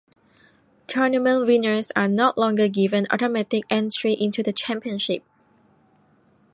Tournament winners are no longer given automatic entry into the championship.